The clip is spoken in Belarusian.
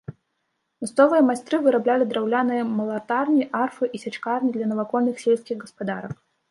Мясцовыя майстры выраблялі драўляныя малатарні, арфы і сячкарні для навакольных сельскіх гаспадарак.